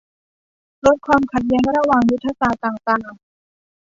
ลดความขัดแย้งระหว่างยุทธศาสตร์ต่างต่าง